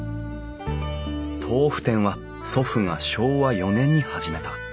豆腐店は祖父が昭和４年に始めた。